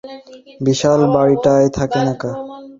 বিশাল বাড়িটায় থাকেন একা।